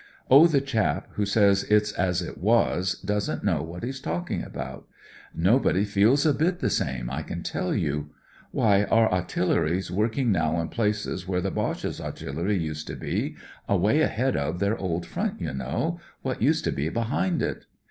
Oh, the chap who says it's as it was doesn't know what he's talking about. Nobody feels a bit the same, I can tell you. Why, our a'tillery's working now in places where the Boche a'tillery used to be, away ahead of their old front, you know — ^what used to be behind it.